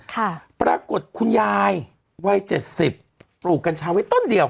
ค่ะปรากฏคุณยายว่าย๗๐ปลูกกัญชาไว้ต้นเดียว